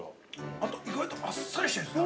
◆あと、意外とあっさりしてるんですね。